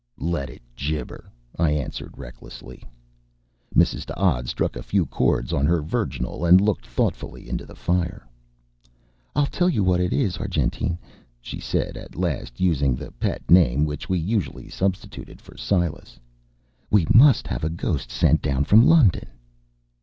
"Let it gibber!" I answered recklessly. Mrs. D'Odd struck a few chords on her virginal and looked thoughtfully into the fire. "I'll tell you what it is, Argentine," she said at last, using the pet name which we usually substituted for Silas, "we must have a ghost sent down from London."